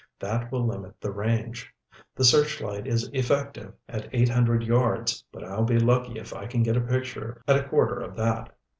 That will limit the range. The searchlight is effective at eight hundred yards, but I'll be lucky if I can get a picture at a quarter of that."